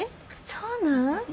そうなん？